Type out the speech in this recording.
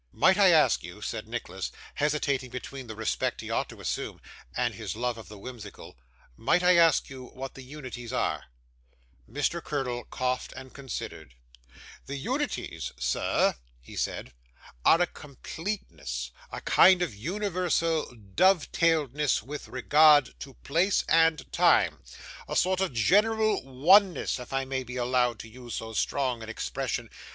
'Might I ask you,' said Nicholas, hesitating between the respect he ought to assume, and his love of the whimsical, 'might I ask you what the unities are?' Mr. Curdle coughed and considered. 'The unities, sir,' he said, 'are a completeness a kind of universal dovetailedness with regard to place and time a sort of a general oneness, if I may be allowed to use so strong an expression.